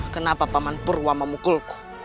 kenapa paman purwa memukulku